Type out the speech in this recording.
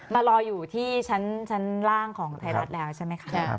มารออยู่ที่ชั้นล่างของไทยรัฐแล้วใช่ไหมคะ